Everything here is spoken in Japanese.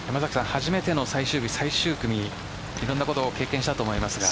初めての最終日最終組いろいろなことを経験したと思いますが。